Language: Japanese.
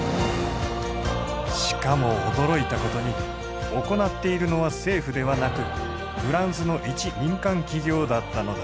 しかも驚いたことに行っているのは政府ではなくフランスの一民間企業だったのだ。